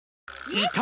いた！